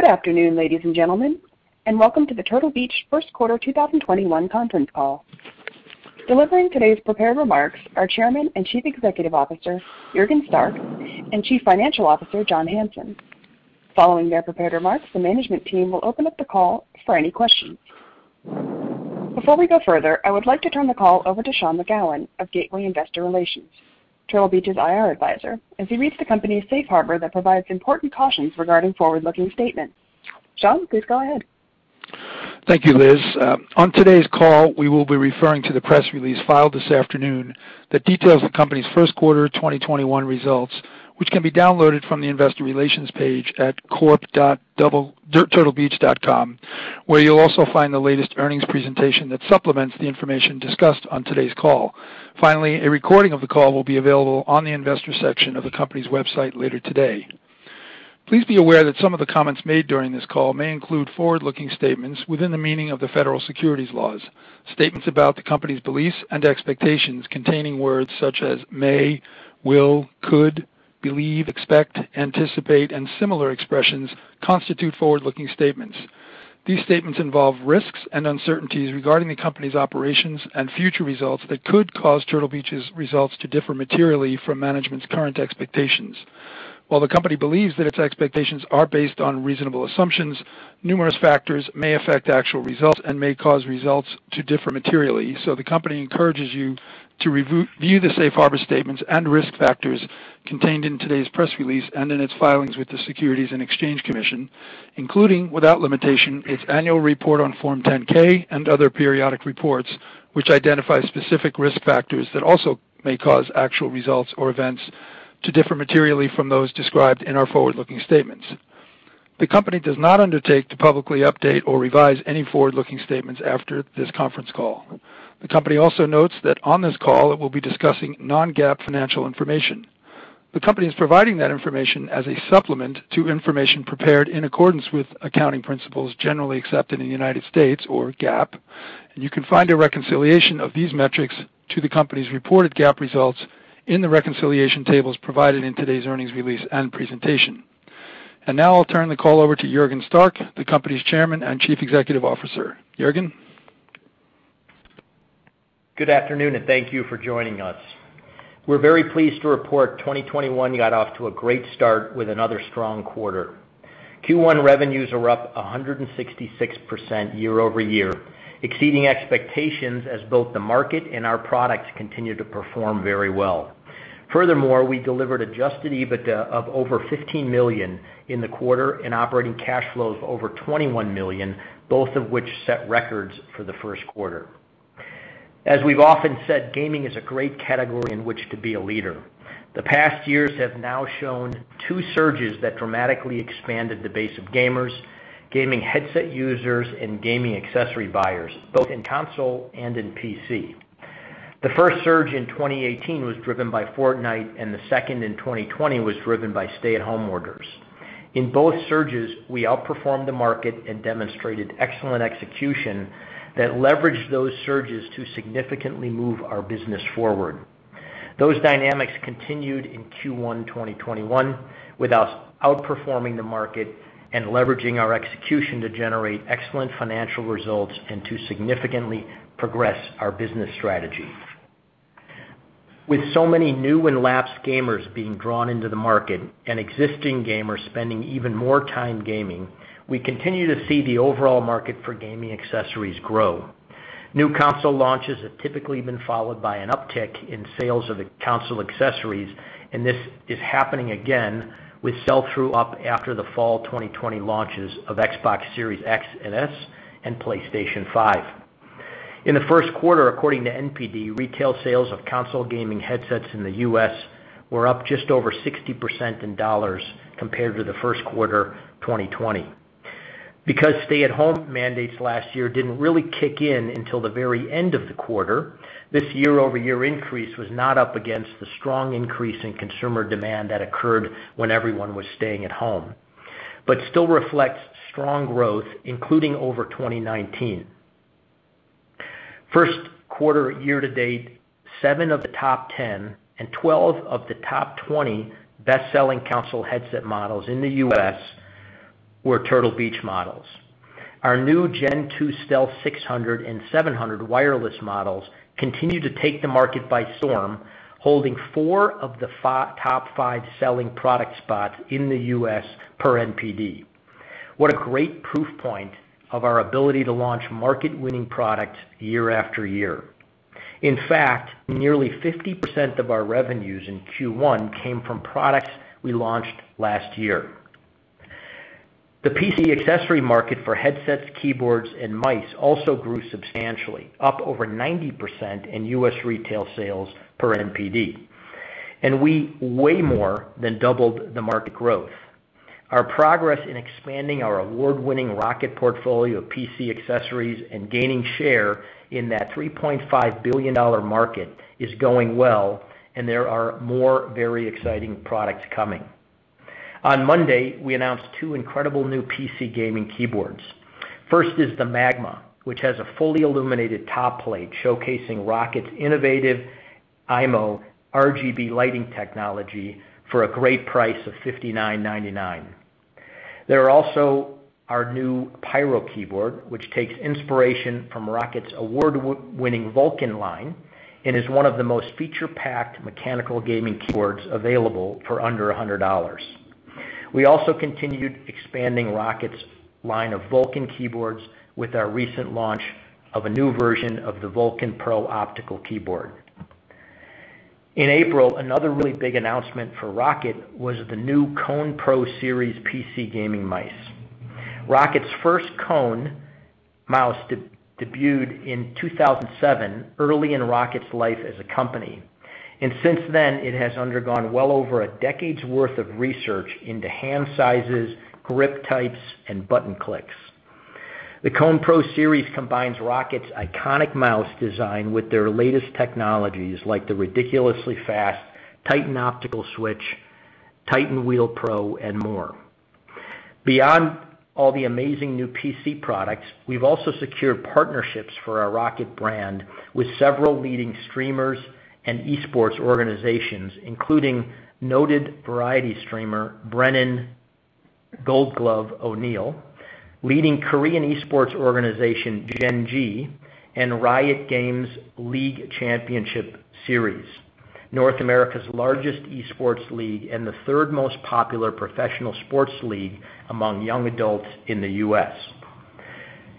Good afternoon, ladies and gentlemen, welcome to the Turtle Beach first quarter 2021 conference call. Delivering today's prepared remarks are Chairman and Chief Executive Officer, Juergen Stark, and Chief Financial Officer, John Hanson. Following their prepared remarks, the management team will open up the call for any questions. Before we go further, I would like to turn the call over to Sean McGowan of Gateway Investor Relations, Turtle Beach's IR advisor, as he reads the company's Safe Harbor that provides important cautions regarding forward-looking statements. Sean, please go ahead. Thank you, Liz. On today's call, we will be referring to the press release filed this afternoon that details the company's first quarter 2021 results, which can be downloaded from the investor relations page at corp.turtlebeach.com, where you'll also find the latest earnings presentation that supplements the information discussed on today's call. A recording of the call will be available on the investor section of the company's website later today. Please be aware that some of the comments made during this call may include forward-looking statements within the meaning of the federal securities laws. Statements about the company's beliefs and expectations containing words such as may, will, could, believe, expect, anticipate, and similar expressions constitute forward-looking statements. These statements involve risks and uncertainties regarding the company's operations and future results that could cause Turtle Beach's results to differ materially from management's current expectations. While the company believes that its expectations are based on reasonable assumptions, numerous factors may affect actual results and may cause results to differ materially. The company encourages you to view the safe harbor statements and risk factors contained in today's press release and in its filings with the Securities and Exchange Commission, including, without limitation, its annual report on Form 10-K and other periodic reports, which identify specific risk factors that also may cause actual results or events to differ materially from those described in our forward-looking statements. The company does not undertake to publicly update or revise any forward-looking statements after this conference call. The company also notes that on this call, it will be discussing non-GAAP financial information. The company is providing that information as a supplement to information prepared in accordance with accounting principles generally accepted in the U.S. or GAAP. You can find a reconciliation of these metrics to the company's reported GAAP results in the reconciliation tables provided in today's earnings release and presentation. Now I'll turn the call over to Juergen Stark, the company's Chairman and Chief Executive Officer. Juergen. Good afternoon, thank you for joining us. We're very pleased to report 2021 got off to a great start with another strong quarter. Q1 revenues are up 166% year-over-year, exceeding expectations as both the market and our products continue to perform very well. We delivered adjusted EBITDA of over $15 million in the quarter and operating cash flows of over $21 million, both of which set records for the first quarter. As we've often said, gaming is a great category in which to be a leader. The past years have now shown two surges that dramatically expanded the base of gamers, gaming headset users, and gaming accessory buyers, both in console and in PC. The first surge in 2018 was driven by Fortnite, and the second in 2020 was driven by stay-at-home orders. In both surges, we outperformed the market and demonstrated excellent execution that leveraged those surges to significantly move our business forward. Those dynamics continued in Q1 2021, with us outperforming the market and leveraging our execution to generate excellent financial results and to significantly progress our business strategy. With so many new and lapsed gamers being drawn into the market and existing gamers spending even more time gaming, we continue to see the overall market for gaming accessories grow. New console launches have typically been followed by an uptick in sales of the console accessories, and this is happening again with sell-through up after the fall 2020 launches of Xbox Series X and S and PlayStation 5. In the first quarter, according to NPD, retail sales of console gaming headsets in the U.S. were up just over 60% in dollars compared to the first quarter 2020. Because stay-at-home mandates last year didn't really kick in until the very end of the quarter, this year-over-year increase was not up against the strong increase in consumer demand that occurred when everyone was staying at home, but still reflects strong growth, including over 2019. First quarter year to date, seven of the top 10 and 12 of the top 20 best-selling console headset models in the U.S. were Turtle Beach models. Our new Gen 2 Stealth 600 and 700 wireless models continue to take the market by storm, holding four of the top five selling product spots in the U.S. per NPD. What a great proof point of our ability to launch market-winning products year after year. In fact, nearly 50% of our revenues in Q1 came from products we launched last year. The PC accessory market for headsets, keyboards, and mice also grew substantially, up over 90% in U.S. retail sales per NPD. We way more than doubled the market growth. Our progress in expanding our award-winning ROCCAT portfolio of PC accessories and gaining share in that $3.5 billion market is going well, and there are more very exciting products coming. On Monday, we announced two incredible new PC gaming keyboards. First is the Magma, which has a fully illuminated top plate showcasing ROCCAT's innovative AIMO RGB lighting technology for a great price of $59.99. There are also our new Pyro keyboard, which takes inspiration from ROCCAT's award-winning Vulcan line and is one of the most feature-packed mechanical gaming keyboards available for under $100. We also continued expanding ROCCAT's line of Vulcan keyboards with our recent launch of a new version of the Vulcan Pro optical keyboard. In April, another really big announcement for ROCCAT was the new Kone Pro Series PC gaming mice. ROCCAT's first Kone mouse debuted in 2007, early in ROCCAT's life as a company, and since then, it has undergone well over a decade's worth of research into hand sizes, grip types, and button clicks. The Kone Pro Series combines ROCCAT's iconic mouse design with their latest technologies, like the ridiculously fast Titan Optical Switch, Titan Wheel Pro, and more. Beyond all the amazing new PC products, we've also secured partnerships for our ROCCAT brand with several leading streamers and esports organizations, including noted variety streamer Brennon "GoldGlove" O'Neill, leading Korean esports organization Gen.G, and Riot Games' League Championship Series, North America's largest esports league and the third most popular professional sports league among young adults in the U.S.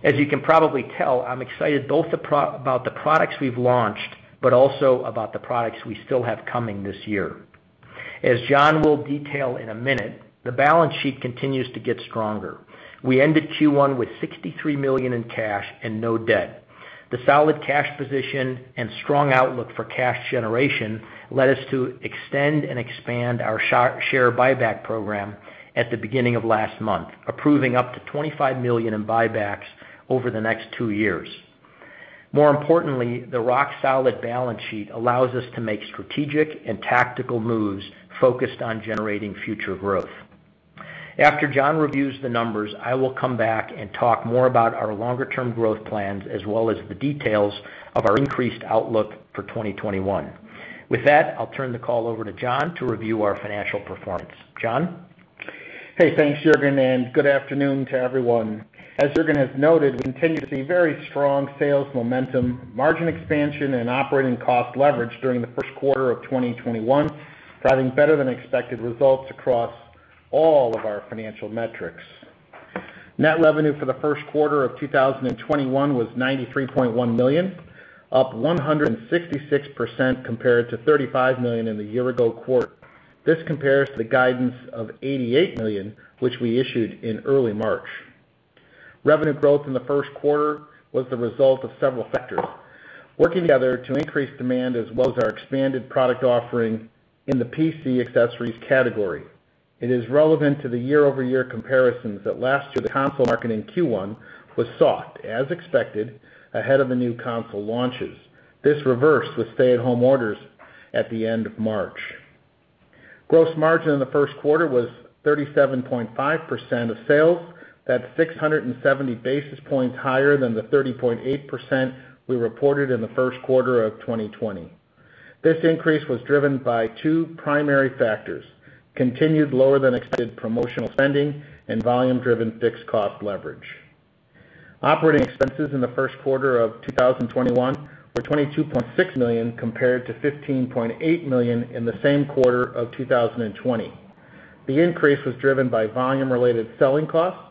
As you can probably tell, I'm excited both about the products we've launched, but also about the products we still have coming this year. As John will detail in a minute, the balance sheet continues to get stronger. We ended Q1 with $63 million in cash and no debt. The solid cash position and strong outlook for cash generation led us to extend and expand our share buyback program at the beginning of last month, approving up to $25 million in buybacks over the next two years. More importantly, the rock-solid balance sheet allows us to make strategic and tactical moves focused on generating future growth. After John reviews the numbers, I will come back and talk more about our longer-term growth plans as well as the details of our increased outlook for 2021. With that, I'll turn the call over to John to review our financial performance. John? Hey, thanks, Juergen, and good afternoon to everyone. As Juergen has noted, we continue to see very strong sales momentum, margin expansion, and operating cost leverage during the first quarter of 2021, driving better than expected results across all of our financial metrics. Net revenue for the first quarter of 2021 was $93.1 million, up 166% compared to $35 million in the year-ago quarter. This compares to the guidance of $88 million, which we issued in early March. Revenue growth in the first quarter was the result of several factors working together to increase demand, as well as our expanded product offering in the PC accessories category. It is relevant to the year-over-year comparisons that last year the console market in Q1 was soft, as expected, ahead of the new console launches. This reversed with stay-at-home orders at the end of March. Gross margin in the first quarter was 37.5% of sales. That's 670 basis points higher than the 30.8% we reported in the first quarter of 2020. This increase was driven by two primary factors, continued lower than expected promotional spending and volume-driven fixed cost leverage. Operating expenses in the first quarter of 2021 were $22.6 million compared to $15.8 million in the same quarter of 2020. The increase was driven by volume-related selling costs,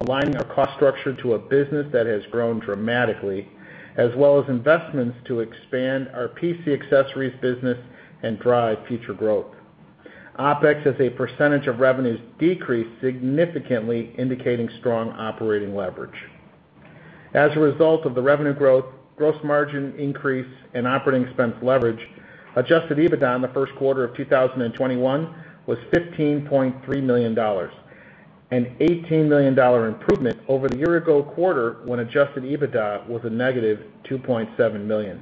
aligning our cost structure to a business that has grown dramatically, as well as investments to expand our PC accessories business and drive future growth. OpEx as a percentage of revenues decreased significantly, indicating strong operating leverage. As a result of the revenue growth, gross margin increase, and operating expense leverage, adjusted EBITDA in the first quarter of 2021 was $15.3 million, an $18 million improvement over the year-ago quarter when adjusted EBITDA was a -$2.7 million.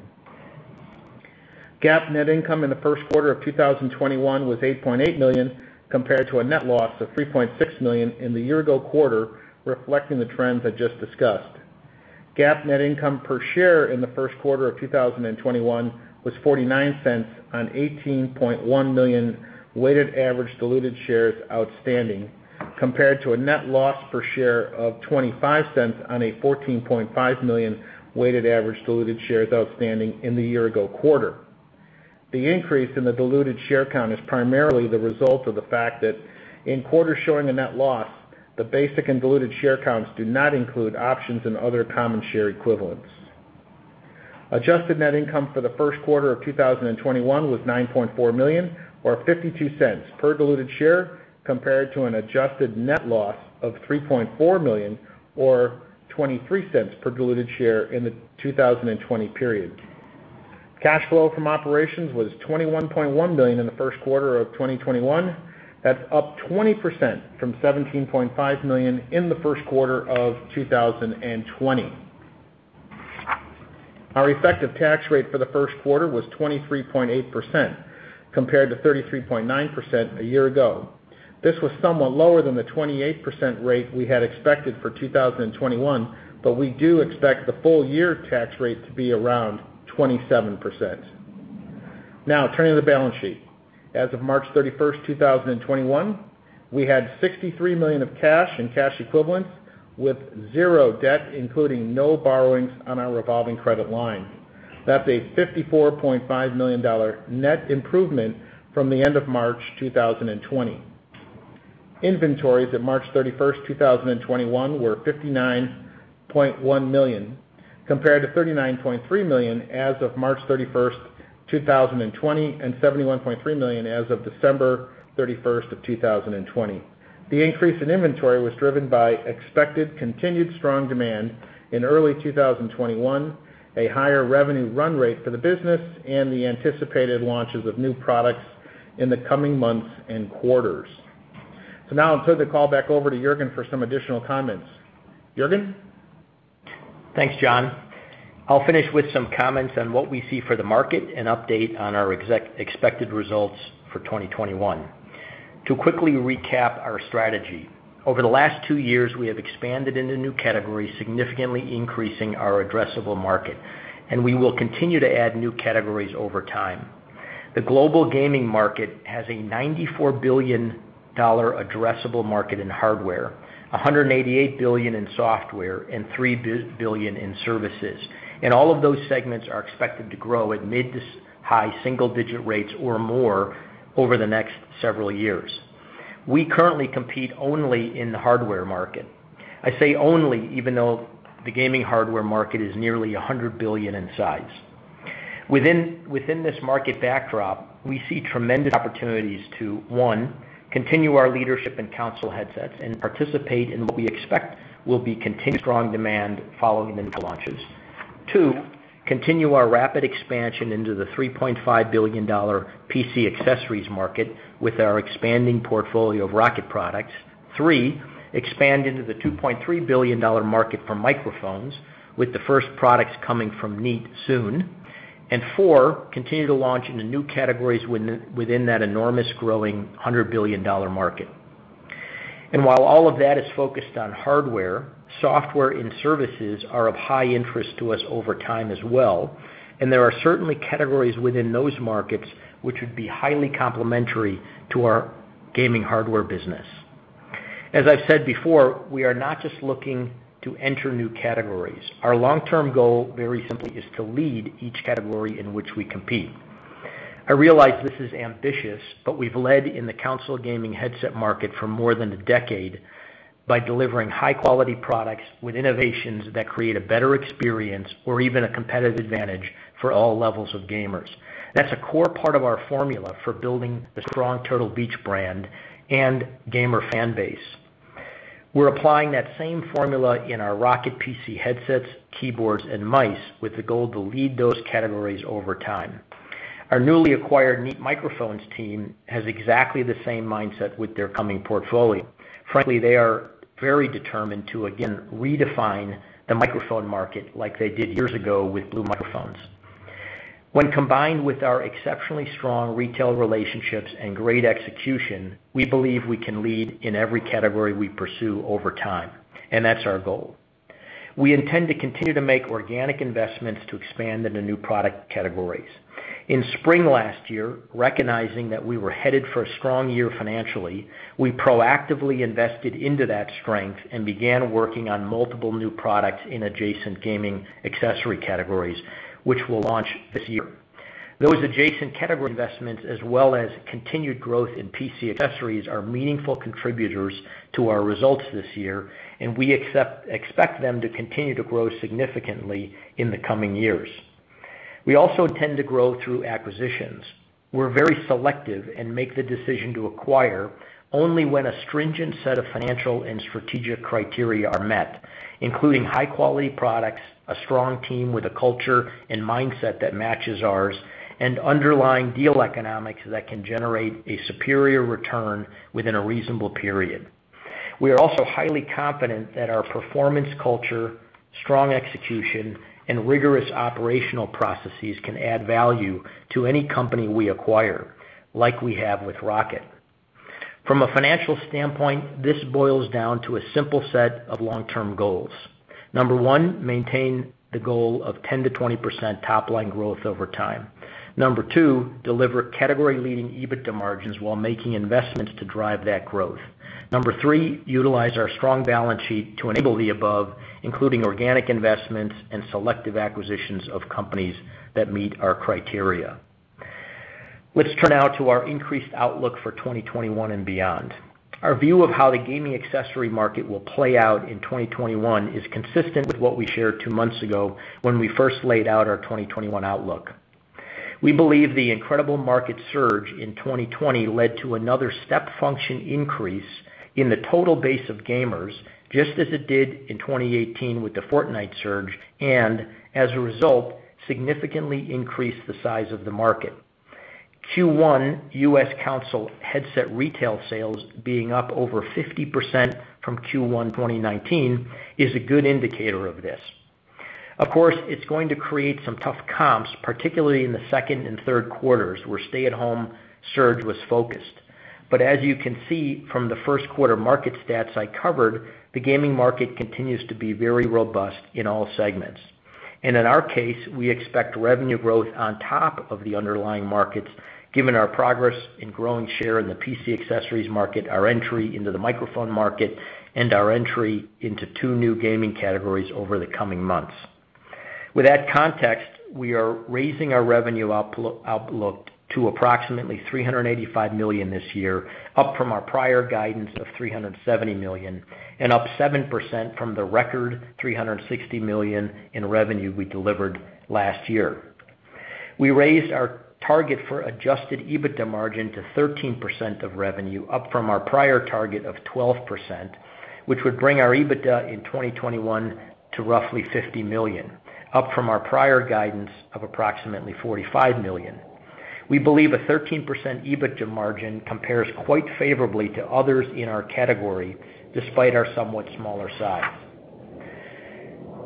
GAAP net income in the first quarter of 2021 was $8.8 million, compared to a net loss of $3.6 million in the year-ago quarter, reflecting the trends I just discussed. GAAP net income per share in the first quarter of 2021 was $0.49 on 18.1 million weighted average diluted shares outstanding, compared to a net loss per share of $0.25 on a 14.5 million weighted average diluted shares outstanding in the year-ago quarter. The increase in the diluted share count is primarily the result of the fact that in quarters showing a net loss, the basic and diluted share counts do not include options and other common share equivalents. Adjusted net income for the first quarter of 2021 was $9.4 million or $0.52 per diluted share, compared to an adjusted net loss of $3.4 million or $0.23 per diluted share in the 2020 period. Cash flow from operations was $21.1 million in the first quarter of 2021. That's up 20% from $17.5 million in the first quarter of 2020. Our effective tax rate for the first quarter was 23.8%, compared to 33.9% a year ago. This was somewhat lower than the 28% rate we had expected for 2021, we do expect the full-year tax rate to be around 27%. Turning to the balance sheet. As of March 31, 2021, we had $63 million of cash and cash equivalents with zero debt, including no borrowings on our revolving credit line. That's a $54.5 million net improvement from the end of March 2020. Inventories at March 31, 2021 were $59.1 million, compared to $39.3 million as of March 31, 2020, and $71.3 million as of December 31, 2020. The increase in inventory was driven by expected continued strong demand in early 2021, a higher revenue run rate for the business, and the anticipated launches of new products in the coming months and quarters. Now I'll turn the call back over to Juergen for some additional comments. Juergen? Thanks, John. I'll finish with some comments on what we see for the market and update on our expected results for 2021. To quickly recap our strategy, over the last two years, we have expanded into new categories, significantly increasing our addressable market, and we will continue to add new categories over time. The global gaming market has a $94 billion addressable market in hardware, $188 billion in software, and $3 billion in services, and all of those segments are expected to grow at mid to high single-digit rates or more over the next several years. We currently compete only in the hardware market. I say only, even though the gaming hardware market is nearly $100 billion in size. Within this market backdrop, we see tremendous opportunities to, one, continue our leadership in console headsets and participate in what we expect will be continued strong demand following the new launches. Two, continue our rapid expansion into the $3.5 billion PC accessories market with our expanding portfolio of ROCCAT products. Three, expand into the $2.3 billion market for microphones with the first products coming from Neat soon, and four, continue to launch into new categories within that enormous growing $100 billion market. While all of that is focused on hardware, software and services are of high interest to us over time as well, and there are certainly categories within those markets which would be highly complementary to our gaming hardware business. As I've said before, we are not just looking to enter new categories. Our long-term goal, very simply, is to lead each category in which we compete. I realize this is ambitious, but we've led in the console gaming headset market for more than a decade by delivering high-quality products with innovations that create a better experience or even a competitive advantage for all levels of gamers. That's a core part of our formula for building a strong Turtle Beach brand and gamer fan base. We're applying that same formula in our ROCCAT PC headsets, keyboards, and mice with the goal to lead those categories over time. Our newly acquired Neat Microphones team has exactly the same mindset with their coming portfolio. Frankly, they are very determined to again redefine the microphone market like they did years ago with Blue Microphones. When combined with our exceptionally strong retail relationships and great execution, we believe we can lead in every category we pursue over time, and that's our goal. We intend to continue to make organic investments to expand into new product categories. In spring last year, recognizing that we were headed for a strong year financially, we proactively invested into that strength and began working on multiple new products in adjacent gaming accessory categories, which we'll launch this year. Those adjacent category investments, as well as continued growth in PC accessories, are meaningful contributors to our results this year. We expect them to continue to grow significantly in the coming years. We also intend to grow through acquisitions. We're very selective and make the decision to acquire only when a stringent set of financial and strategic criteria are met, including high-quality products, a strong team with a culture and mindset that matches ours, and underlying deal economics that can generate a superior return within a reasonable period. We are also highly confident that our performance culture, strong execution, and rigorous operational processes can add value to any company we acquire, like we have with ROCCAT. From a financial standpoint, this boils down to a simple set of long-term goals. Number one, maintain the goal of 10%-20% top-line growth over time. Number two, deliver category-leading EBITDA margins while making investments to drive that growth. Number three, utilize our strong balance sheet to enable the above, including organic investments and selective acquisitions of companies that meet our criteria. Let's turn now to our increased outlook for 2021 and beyond. Our view of how the gaming accessory market will play out in 2021 is consistent with what we shared two months ago when we first laid out our 2021 outlook. We believe the incredible market surge in 2020 led to another step function increase in the total base of gamers, just as it did in 2018 with the Fortnite surge, as a result, significantly increased the size of the market. Q1 U.S. console headset retail sales being up over 50% from Q1 2019 is a good indicator of this. Of course, it's going to create some tough comps, particularly in the second and third quarters, where stay-at-home surge was focused. As you can see from the first quarter market stats I covered, the gaming market continues to be very robust in all segments. In our case, we expect revenue growth on top of the underlying markets, given our progress in growing share in the PC accessories market, our entry into the microphone market, and our entry into two new gaming categories over the coming months. With that context, we are raising our revenue outlook to approximately $385 million this year, up from our prior guidance of $370 million, and up 7% from the record $360 million in revenue we delivered last year. We raised our target for adjusted EBITDA margin to 13% of revenue, up from our prior target of 12%, which would bring our EBITDA in 2021 to roughly $50 million, up from our prior guidance of approximately $45 million. We believe a 13% EBITDA margin compares quite favorably to others in our category, despite our somewhat smaller size.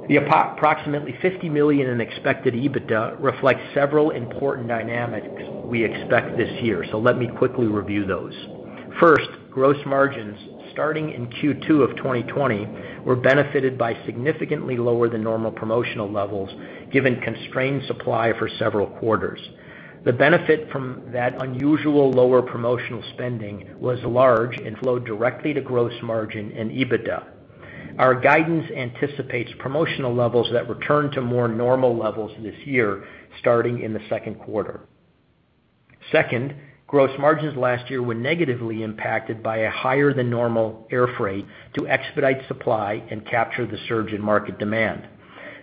The approximately $50 million in expected EBITDA reflects several important dynamics we expect this year. Let me quickly review those. First, gross margins starting in Q2 of 2020 were benefited by significantly lower than normal promotional levels, given constrained supply for several quarters. The benefit from that unusual lower promotional spending was large and flowed directly to gross margin and EBITDA. Our guidance anticipates promotional levels that return to more normal levels this year, starting in the second quarter. Second, gross margins last year were negatively impacted by a higher than normal air freight to expedite supply and capture the surge in market demand.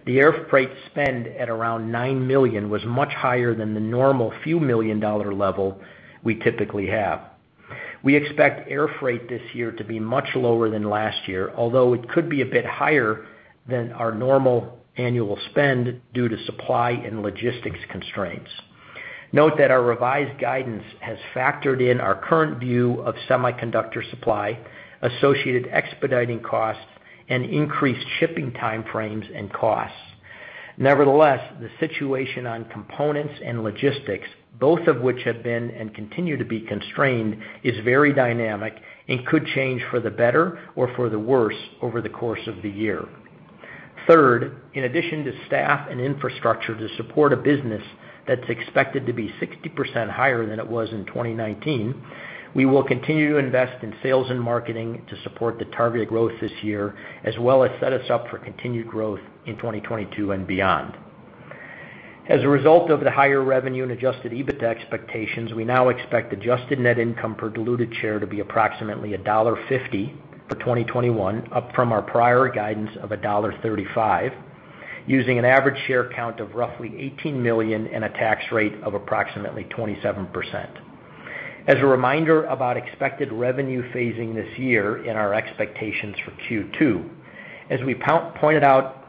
The air freight spend at around $9 million was much higher than the normal few million dollar level we typically have. We expect air freight this year to be much lower than last year, although it could be a bit higher than our normal annual spend due to supply and logistics constraints. Note that our revised guidance has factored in our current view of semiconductor supply, associated expediting costs, and increased shipping time frames and costs. Nevertheless, the situation on components and logistics, both of which have been and continue to be constrained, is very dynamic and could change for the better or for the worse over the course of the year. Third, in addition to staff and infrastructure to support a business that's expected to be 60% higher than it was in 2019, we will continue to invest in sales and marketing to support the targeted growth this year, as well as set us up for continued growth in 2022 and beyond. As a result of the higher revenue and adjusted EBITDA expectations, we now expect adjusted net income per diluted share to be approximately $1.50 for 2021, up from our prior guidance of $1.35, using an average share count of roughly 18 million and a tax rate of approximately 27%. As a reminder about expected revenue phasing this year and our expectations for Q2, as we pointed out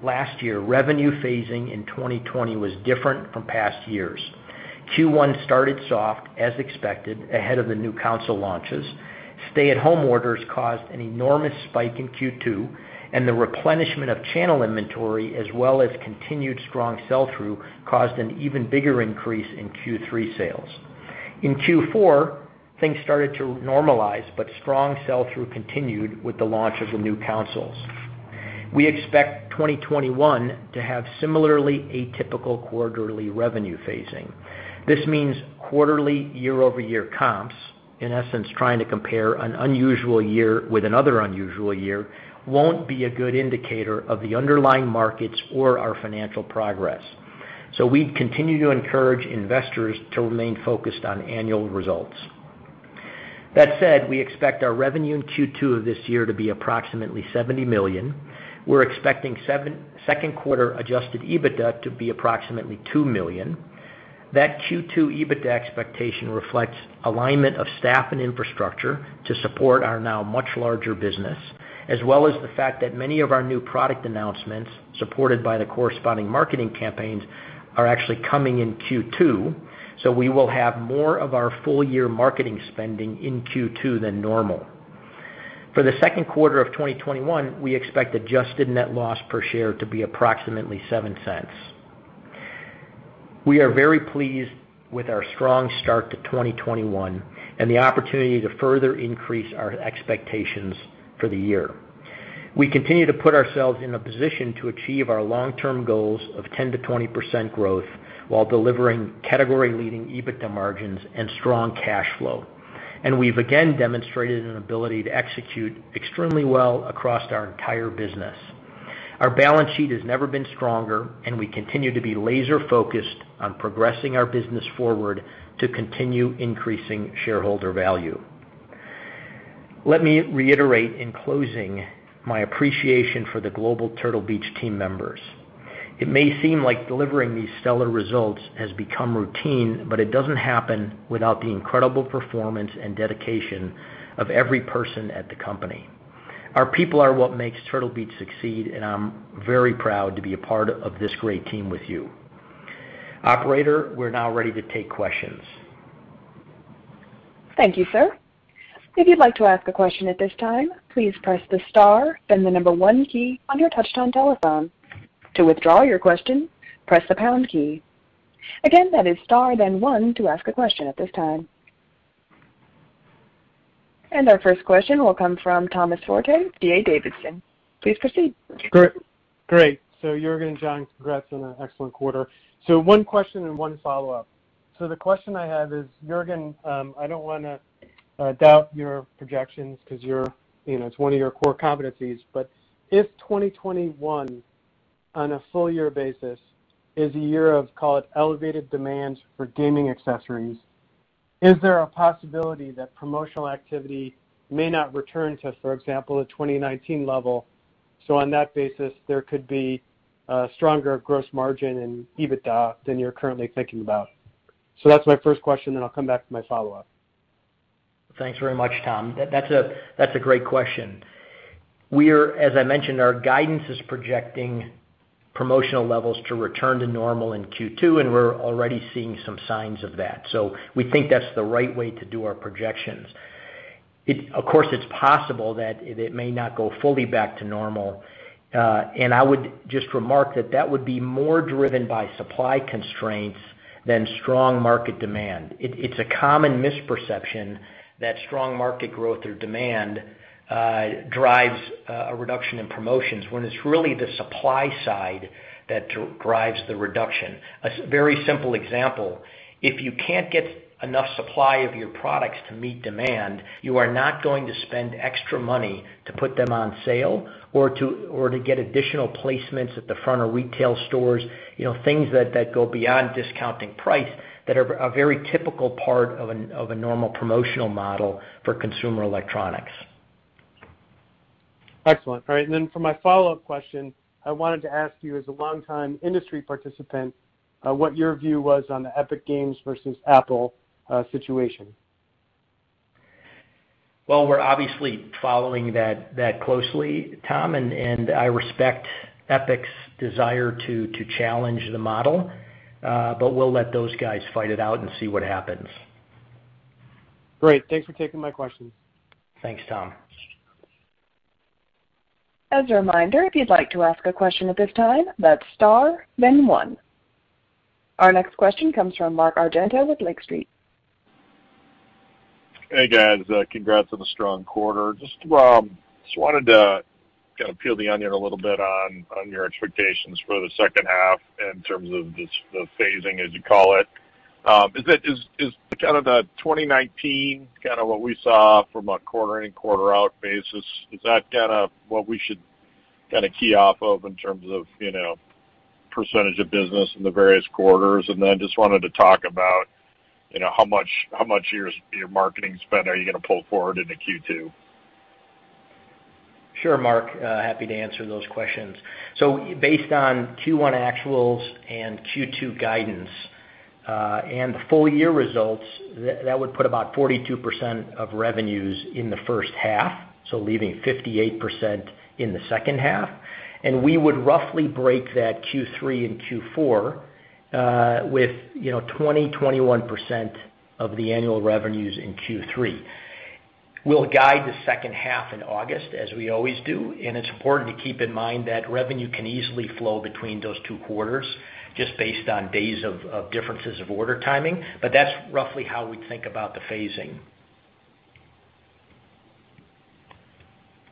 last year, revenue phasing in 2020 was different from past years. Q1 started soft, as expected, ahead of the new console launches. Stay-at-home orders caused an enormous spike in Q2, and the replenishment of channel inventory, as well as continued strong sell-through, caused an even bigger increase in Q3 sales. In Q4, things started to normalize, but strong sell-through continued with the launch of the new consoles. We expect 2021 to have similarly atypical quarterly revenue phasing. This means quarterly year-over-year comps, in esssence, trying to compare an unusual year with another unusual year, won't be a good indicator of the underlying markets or our financial progress. We continue to encourage investors to remain focused on annual results. That said, we expect our revenue in Q2 of this year to be approximately $70 million. We're expecting second quarter adjusted EBITDA to be approximately $2 million. That Q2 EBITDA expectation reflects alignment of staff and infrastructure to support our now much larger business, as well as the fact that many of our new product announcements, supported by the corresponding marketing campaigns, are actually coming in Q2. We will have more of our full year marketing spending in Q2 than normal. For the second quarter of 2021, we expect adjusted net loss per share to be approximately $0.07. We are very pleased with our strong start to 2021 and the opportunity to further increase our expectations for the year. We continue to put ourselves in a position to achieve our long-term goals of 10%-20% growth while delivering category-leading EBITDA margins and strong cash flow. We've again demonstrated an ability to execute extremely well across our entire business. Our balance sheet has never been stronger, and we continue to be laser-focused on progressing our business forward to continue increasing shareholder value. Let me reiterate in closing my appreciation for the global Turtle Beach team members. It may seem like delivering these stellar results has become routine, but it doesn't happen without the incredible performance and dedication of every person at the company. Our people are what makes Turtle Beach succeed, and I'm very proud to be a part of this great team with you. Operator, we're now ready to take questions. Thank you, sir. If you'd like to ask a question at this time, please press the star then the number one key on your touchtone telephone. To withdraw your question, press the pound key. Again, that is star, then one to ask a question at this time. Our first question will come from Thomas Forte, D.A. Davidson. Please proceed. Great. Juergen and John, congrats on an excellent quarter. One question and one follow-up. The question I have is, Juergen, I don't want to doubt your projections because it's one of your core competencies, but if 2021, on a full year basis, is a year of call it elevated demands for gaming accessories, is there a possibility that promotional activity may not return to, for example, a 2019 level? On that basis, there could be a stronger gross margin and EBITDA than you're currently thinking about. That's my first question, and I'll come back with my follow-up. Thanks very much, Tom. That's a great question. As I mentioned, our guidance is projecting promotional levels to return to normal in Q2, and we're already seeing some signs of that. We think that's the right way to do our projections. Of course, it's possible that it may not go fully back to normal. I would just remark that that would be more driven by supply constraints than strong market demand. It's a common misperception that strong market growth or demand drives a reduction in promotions when it's really the supply side that drives the reduction. A very simple example, if you can't get enough supply of your products to meet demand, you are not going to spend extra money to put them on sale or to get additional placements at the front of retail stores, things that go beyond discounting price that are a very typical part of a normal promotional model for consumer electronics. Excellent. All right, for my follow-up question, I wanted to ask you, as a longtime industry participant, what your view was on the Epic Games versus Apple situation. Well, we're obviously following that closely, Tom, and I respect Epic's desire to challenge the model. We'll let those guys fight it out and see what happens. Great. Thanks for taking my questions. Thanks, Tom. As a reminder, if you'd like to ask a question at this time, that's star, then one. Our next question comes from Mark Argento with Lake Street. Hey, guys. Congrats on the strong quarter. Just wanted to peel the onion a little bit on your expectations for the second half in terms of the phasing, as you call it. Is the kind of the 2019 kind of what we saw from a quarter in, quarter out basis, is that what we should key off of in terms of percentage of business in the various quarters? Just wanted to talk about how much of your marketing spend are you going to pull forward into Q2? Sure, Mark. Happy to answer those questions. Based on Q1 actuals and Q2 guidance, and the full-year results, that would put about 42% of revenues in the first half, leaving 58% in the second half. We would roughly break that Q3 and Q4 with 20%, 21% of the annual revenues in Q3. We'll guide the second half in August as we always do, and it's important to keep in mind that revenue can easily flow between those two quarters just based on days of differences of order timing. That's roughly how we think about the phasing.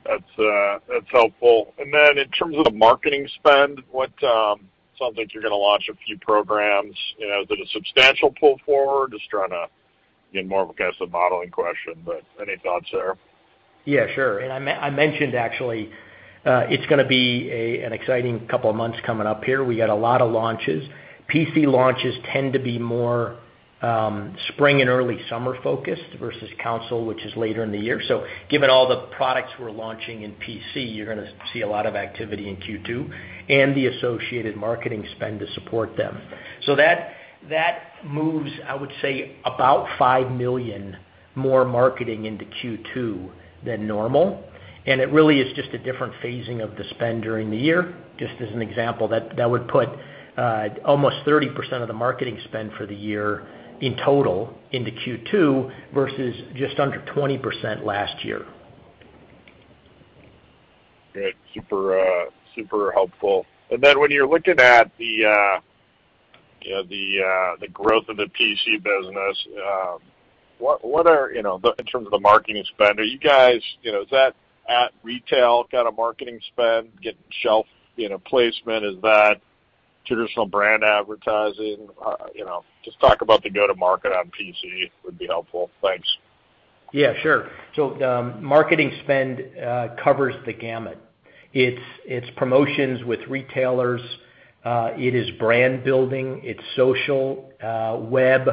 That's helpful. In terms of the marketing spend, it sounds like you're going to launch a few programs. Is it a substantial pull forward? Just trying to get more of a modeling question, but any thoughts there? Yeah, sure. I mentioned actually it's going to be an exciting couple of months coming up here. We got a lot of launches. PC launches tend to be more spring and early summer focused versus console, which is later in the year. Given all the products we're launching in PC, you're going to see a lot of activity in Q2 and the associated marketing spend to support them. That moves, I would say, about $5 million more marketing into Q2 than normal, and it really is just a different phasing of the spend during the year. Just as an example, that would put almost 30% of the marketing spend for the year in total into Q2 versus just under 20% last year. Good. Super helpful. When you're looking at the growth of the PC business, in terms of the marketing spend, is that at retail kind of marketing spend, getting shelf placement? Is that traditional brand advertising? Just talk about the go-to-market on PC would be helpful. Thanks. Yeah, sure. Marketing spend covers the gamut. It's promotions with retailers. It is brand building. It's social, web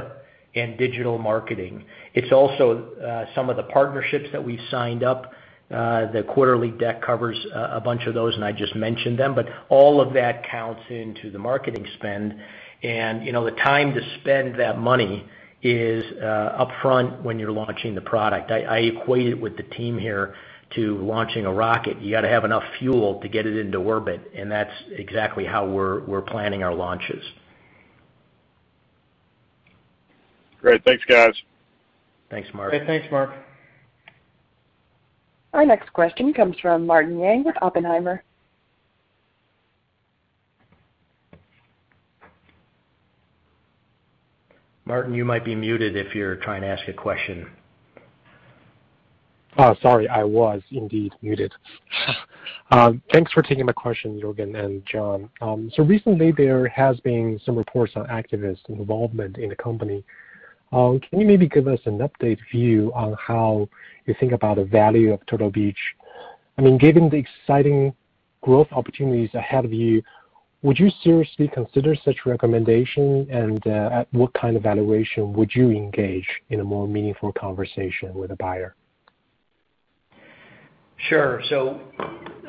and digital marketing. It's also some of the partnerships that we've signed up. The quarterly deck covers a bunch of those, and I just mentioned them, but all of that counts into the marketing spend. The time to spend that money is upfront when you're launching the product. I equate it with the team here to launching a rocket. You got to have enough fuel to get it into orbit, and that's exactly how we're planning our launches. Great. Thanks, guys. Thanks, Mark. Okay. Thanks, Mark. Our next question comes from Martin Yang with Oppenheimer. Martin, you might be muted if you're trying to ask a question. Oh, sorry. I was indeed muted. Thanks for taking my question, Juergen Stark and John. Recently there has been some reports on activist involvement in the company. Can you maybe give us an update view on how you think about the value of Turtle Beach? Given the exciting growth opportunities ahead of you, would you seriously consider such a recommendation? At what kind of valuation would you engage in a more meaningful conversation with a buyer? Sure.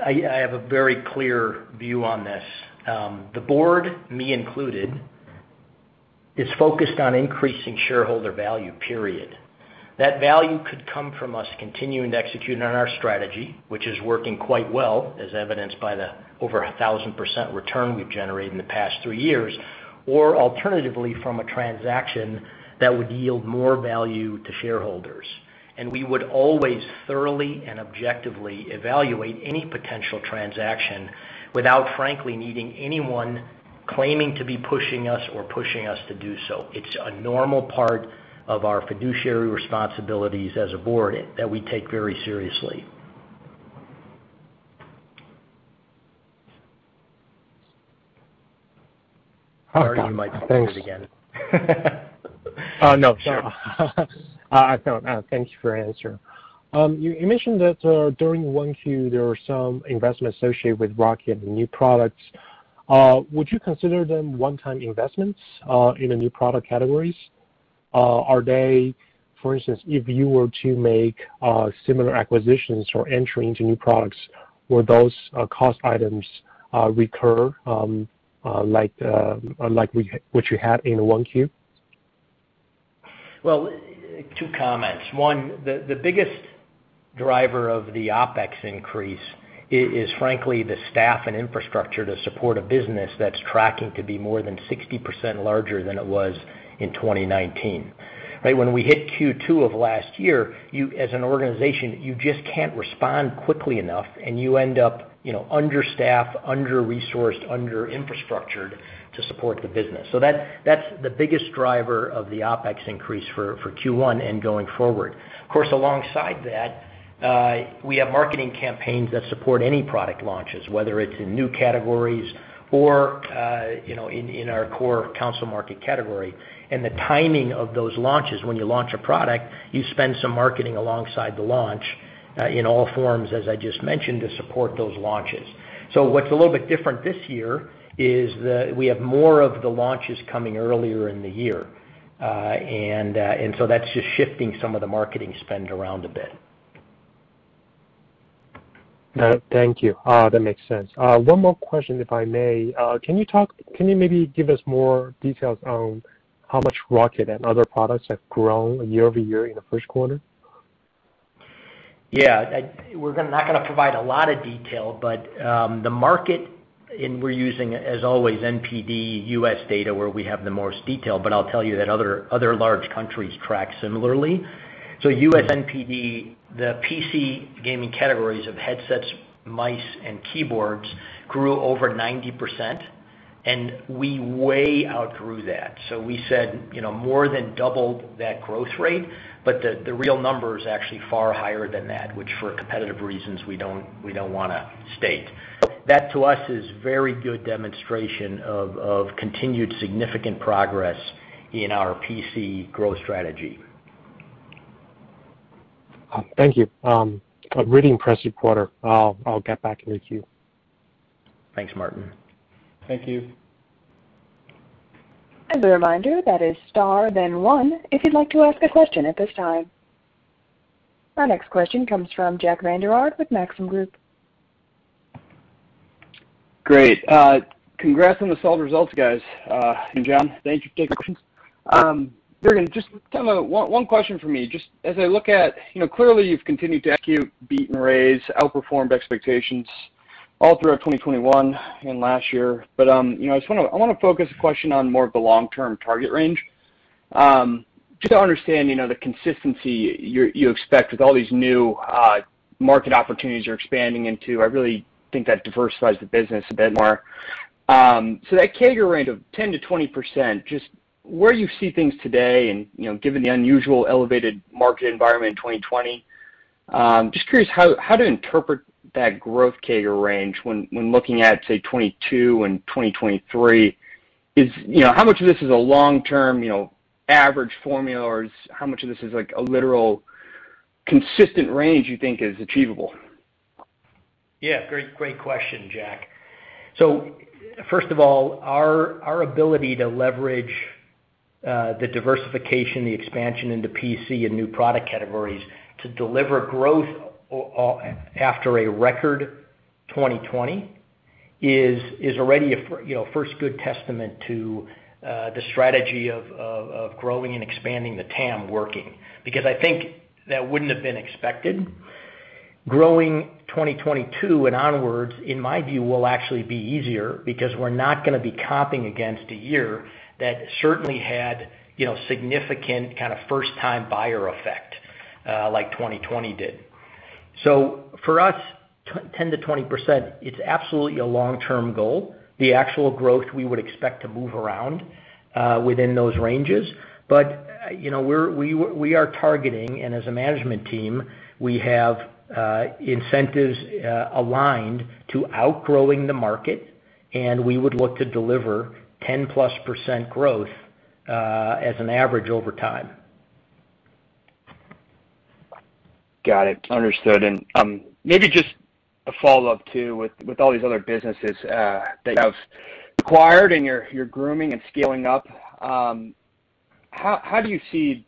I have a very clear view on this. The board, me included, is focused on increasing shareholder value, period. That value could come from us continuing to execute on our strategy, which is working quite well as evidenced by the over 1,000% return we've generated in the past three years, or alternatively, from a transaction that would yield more value to shareholders. We would always thoroughly and objectively evaluate any potential transaction without frankly needing anyone claiming to be pushing us or pushing us to do so. It's a normal part of our fiduciary responsibilities as a board that we take very seriously. Martin, you might be muted again. Oh, no. Sure. Thank you for answering. You mentioned that during 1Q, there were some investments associated with ROCCAT and new products. Would you consider them one-time investments in the new product categories? Are they, for instance, if you were to make similar acquisitions or entry into new products, will those cost items recur like what you had in 1Q? Well, two comments. One, the biggest driver of the OpEx increase is frankly the staff and infrastructure to support a business that's tracking to be more than 60% larger than it was in 2019. When we hit Q2 of last year, you as an organization, you just can't respond quickly enough, and you end up understaffed, under-resourced, under-infrastructured to support the business. That's the biggest driver of the OpEx increase for Q1 and going forward. Of course, alongside that, we have marketing campaigns that support any product launches, whether it's in new categories or in our core console market category. The timing of those launches, when you launch a product, you spend some marketing alongside the launch, in all forms, as I just mentioned, to support those launches. What's a little bit different this year is that we have more of the launches coming earlier in the year. That's just shifting some of the marketing spend around a bit. Thank you. That makes sense. One more question, if I may. Can you maybe give us more details on how much ROCCAT and other products have grown year-over-year in the first quarter? Yeah. We're not going to provide a lot of detail, but the market, and we're using, as always, NPD U.S. data where we have the most detail, but I'll tell you that other large countries track similarly. U.S. NPD, the PC gaming categories of headsets, mice, and keyboards grew over 90%, and we way outgrew that. We said more than doubled that growth rate, but the real number is actually far higher than that, which for competitive reasons, we don't want to state. That to us is very good demonstration of continued significant progress in our PC growth strategy. Thank you. A really impressive quarter. I'll get back in the queue. Thanks, Martin. Thank you. As a reminder, that is star then one if you'd like to ask a question at this time. Our next question comes from Jack Vander Aarde with Maxim Group. Great. Congrats on the solid results, guys. John, thank you for taking the question. Juergen, just one question from me. Clearly you've continued to execute, beat and raise, outperformed expectations all throughout 2021 and last year. I want to focus the question on more of the long-term target range. Just to understand the consistency you expect with all these new market opportunities you're expanding into, I really think that diversifies the business a bit more. That CAGR range of 10%-20%, just where you see things today and given the unusual elevated market environment in 2020, just curious how to interpret that growth CAGR range when looking at, say, 2022 and 2023. How much of this is a long-term average formula, or how much of this is a literal consistent range you think is achievable? Great question, Jack. First of all, our ability to leverage the diversification, the expansion into PC and new product categories to deliver growth after a record 2020 is already a first good testament to the strategy of growing and expanding the TAM working, because I think that wouldn't have been expected. Growing 2022 and onwards, in my view, will actually be easier because we're not going to be comping against a year that certainly had significant kind of first-time buyer effect, like 2020 did. For us, 10%-20%, it's absolutely a long-term goal. The actual growth we would expect to move around within those ranges. We are targeting, and as a management team, we have incentives aligned to outgrowing the market, and we would look to deliver 10%+ growth as an average over time. Got it. Understood. Maybe just a follow-up too, with all these other businesses that you've acquired and you're grooming and scaling up. How do you see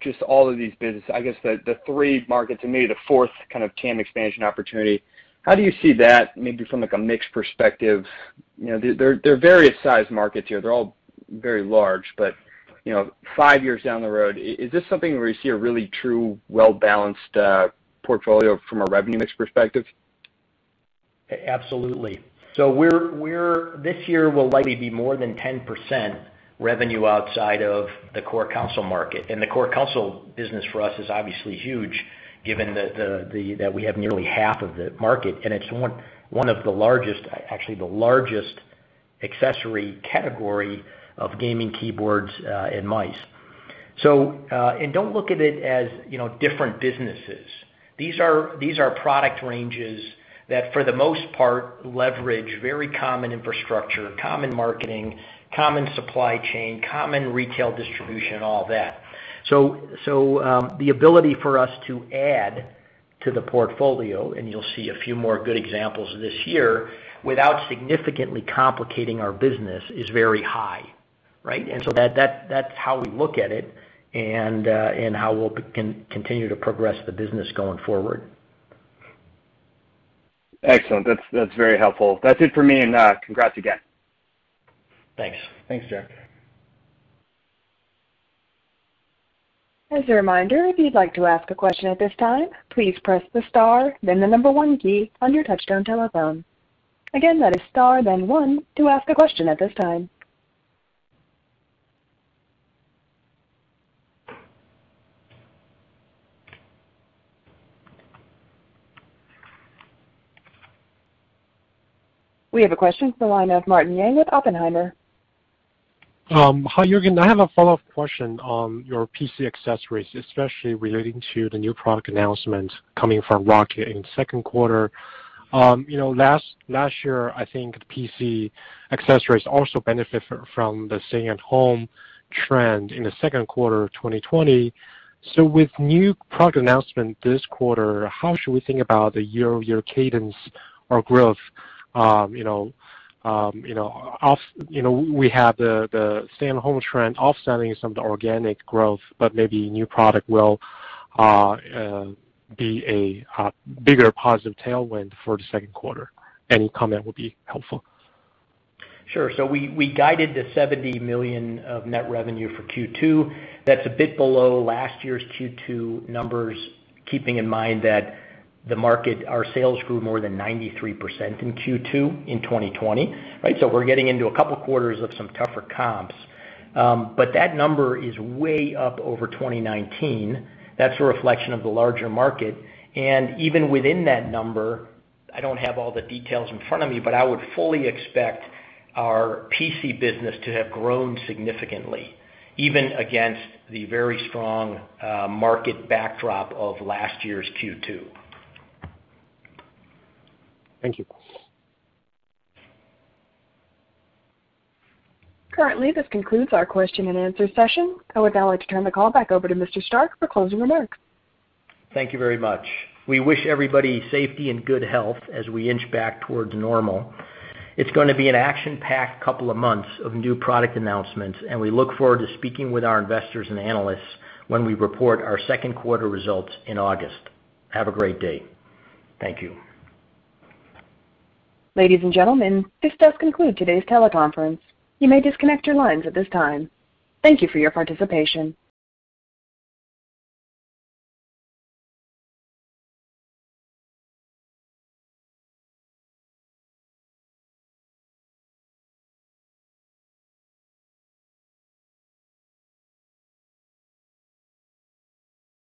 just all of these businesses, I guess the three markets and maybe the fourth kind of TAM expansion opportunity. How do you see that maybe from, like, a mixed perspective? They're various sized markets here. They're all very large, but five years down the road, is this something where you see a really true well-balanced portfolio from a revenue mix perspective? Absolutely. This year will likely be more than 10% revenue outside of the core console market. The core console business for us is obviously huge given that we have nearly half of the market, and it's one of the largest, actually the largest accessory category of gaming keyboards and mice. Don't look at it as different businesses. These are product ranges that, for the most part, leverage very common infrastructure, common marketing, common supply chain, common retail distribution, all that. The ability for us to add to the portfolio, and you'll see a few more good examples this year, without significantly complicating our business is very high, right? That's how we look at it and how we'll continue to progress the business going forward. Excellent. That's very helpful. That's it for me, and congrats again. Thanks. Thanks, Jack. As a reminder, if you'd like to ask a question at this time, please press the star, then the number 1 key on your touchtone telephone. Again, that is star, then one to ask a question at this time. We have a question from the line of Martin Yang at Oppenheimer. Hi, Juergen. I have a follow-up question on your PC accessories, especially relating to the new product announcement coming from ROCCAT in the second quarter. Last year, I think PC accessories also benefit from the staying-at-home trend in the second quarter of 2020. With new product announcement this quarter, how should we think about the year-over-year cadence or growth? We have the stay-at-home trend offsetting some of the organic growth, but maybe new product will be a bigger positive tailwind for the second quarter. Any comment would be helpful. Sure. We guided the $70 million of net revenue for Q2. That's a bit below last year's Q2 numbers, keeping in mind that the market, our sales grew more than 93% in Q2 in 2020, right? We're getting into a couple quarters of some tougher comps. That number is way up over 2019. That's a reflection of the larger market. Even within that number, I don't have all the details in front of me, but I would fully expect our PC business to have grown significantly, even against the very strong market backdrop of last year's Q2. Thank you. Currently, this concludes our question and answer session. I would now like to turn the call back over to Mr. Stark for closing remarks. Thank you very much. We wish everybody safety and good health as we inch back towards normal. It's going to be an action-packed couple of months of new product announcements, and we look forward to speaking with our investors and analysts when we report our second quarter results in August. Have a great day. Thank you. Ladies and gentlemen, this does conclude today's teleconference. You may disconnect your lines at this time. Thank you for your participation.